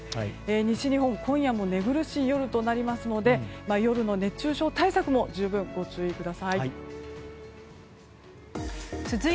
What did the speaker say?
西日本、今夜も寝苦しい夜となりますので夜の熱中症対策も十分ご注意ください。